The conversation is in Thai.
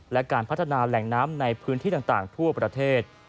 และการพัฒนาแหล่งน้ำในพื้นที่ต่างทั่วประเทศ